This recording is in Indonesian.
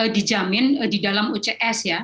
dijamin di dalam ocs